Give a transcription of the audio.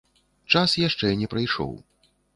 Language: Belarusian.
Час яшчэ не прыйшоў.